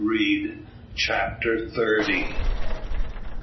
CHAPTER THIRTY.